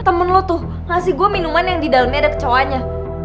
temen lo tuh ngasih gue minuman yang di dalamnya ada kecoanya